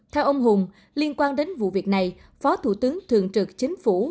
theo ông hùng liên quan đến vụ việc này phó thủ tướng thường trực chính phủ